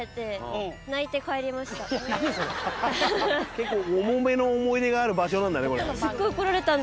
結構重めの思い出がある場所なんだねこれ。